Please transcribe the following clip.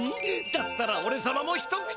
だったらおれさまも一口。